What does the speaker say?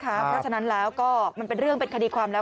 เพราะฉะนั้นแล้วก็มันเป็นเรื่องเป็นคดีความแล้ว